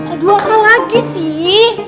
aduh apa lagi sih